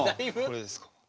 これですか？